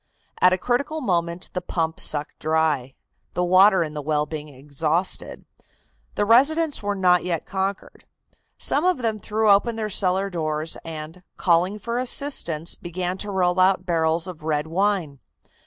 At a critical moment the pump sucked dry, the water in the well being exhausted. The residents were not yet conquered. Some of them threw open their cellar doors and, calling for assistance, began to roll out barrels of red wine.